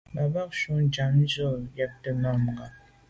Bag ba shun tshàm se’ njwimte mà ngab.